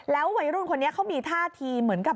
แล้ววัยรุ่นคนนี้เขามีทางที่นี่นะครับ